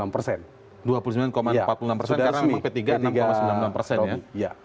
dua puluh sembilan empat puluh enam persen karena p tiga enam sembilan puluh enam persen ya